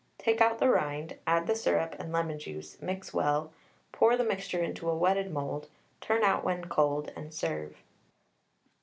Take out the rind, add the syrup and lemon juice, mix well, pour the mixture into a wetted mould, turn out when cold, and serve.